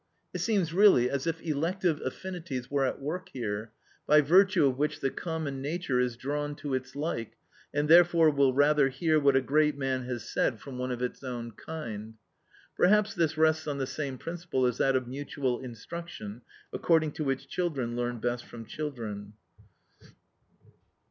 It seems really as if elective affinities were at work here, by virtue of which the common nature is drawn to its like, and therefore will rather hear what a great man has said from one of its own kind. Perhaps this rests on the same principle as that of mutual instruction, according to which children learn best from children.